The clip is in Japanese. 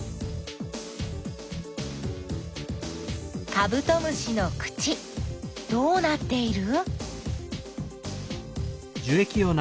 カブトムシの口どうなっている？